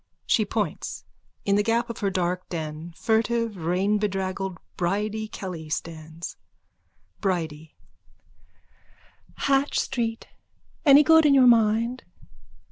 (She points. In the gap of her dark den furtive, rainbedraggled, Bridie Kelly stands.) BRIDIE: Hatch street. Any good in your mind?